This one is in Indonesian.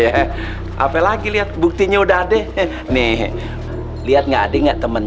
cilindra pelan lubang klas namun biasanya biar ngepay main tak curin tentang rasanya ieing gitu jadi yang